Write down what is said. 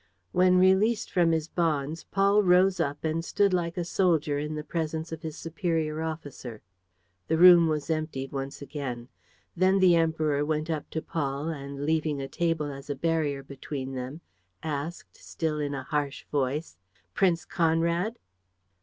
When released from his bonds, Paul rose up and stood like a soldier in the presence of his superior officer. The room was emptied once again. Then the Emperor went up to Paul and, leaving a table as a barrier between them, asked, still in a harsh voice: "Prince Conrad?"